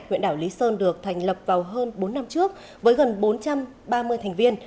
huyện đảo lý sơn được thành lập vào hơn bốn năm trước với gần bốn trăm ba mươi thành viên